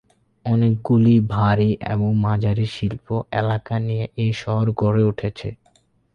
অনেকগুলি ভারী এবং মাঝারি শিল্প এলাকা নিয়ে এই শহর গড়ে উঠেছে।